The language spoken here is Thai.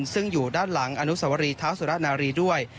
ซึ่งอยู่ด้านหลังอนุสวรีเท้าสุรนารีด้วย